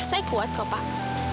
saya kuat kok pak